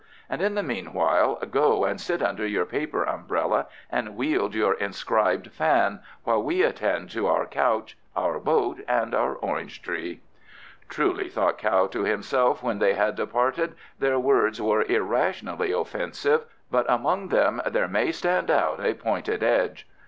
And, in the meanwhile, go and sit under your paper umbrella and wield your inscribed fan, while we attend to our couch, our boat, and our orange tree." "Truly," thought Kao to himself when they had departed, "their words were irrationally offensive, but among them there may stand out a pointed edge.